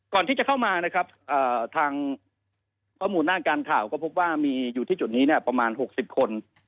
ก่อนที่จะเข้ามานะครับทางข้อมูลด้านการข่าวก็พบว่ามีอยู่ที่จุดนี้เนี่ยประมาณ๖๐คน